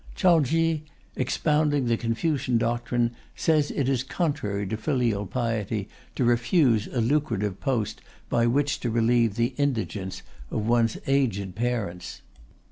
Chao Ki, expounding the Confucian doctrine, says it is contrary to filial piety to refuse a lucrative post by which to relieve the indigence of one's aged parents.